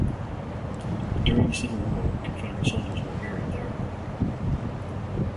During the Civil War, Confederate soldiers were buried there.